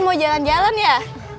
mau jalan jalan ya